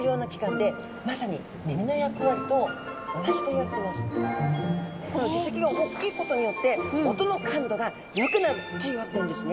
これはこの耳石が大きいことによって音の感度が良くなるというわけなんですね。